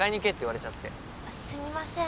すみません。